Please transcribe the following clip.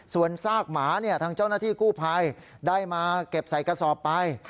ส่วนซากหมาทางเจ้าหน้าที่กู้ภัยได้มาเก็บใส่กระสอบไป